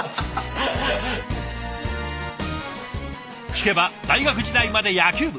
聞けば大学時代まで野球部。